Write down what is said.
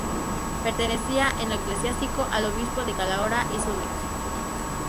Pertenecía en lo eclesiástico al obispo de Calahorra y su vic.